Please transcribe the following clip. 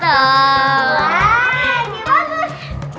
wah ini bagus